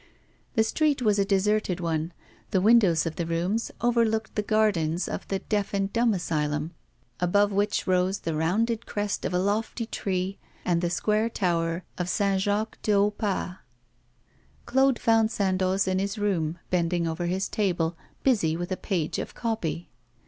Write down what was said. The street was a deserted one; the windows of the rooms overlooked the gardens of the Deaf and Dumb Asylum, above which rose the rounded crest of a lofty tree, and the square tower of St. Jacques du Haut Pas. Claude found Sandoz in his room, bending over his table, busy with a page of 'copy.